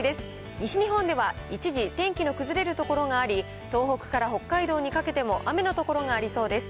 西日本では一時天気の崩れる所があり、東北から北海道にかけても雨の所がありそうです。